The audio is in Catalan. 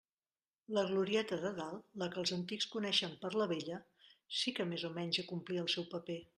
La glorieta de dalt, la que els antics coneixien per la Vella, sí que més o menys acomplí el seu paper.